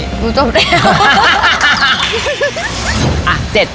ดูจบเดียว